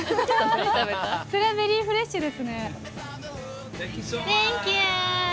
それはベリー・フレッシュですね。